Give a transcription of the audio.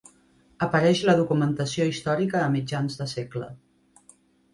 Apareix a la documentació històrica a mitjans de segle.